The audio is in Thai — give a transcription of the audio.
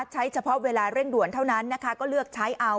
เฉพาะเวลาเร่งด่วนเท่านั้นนะคะก็เลือกใช้เอา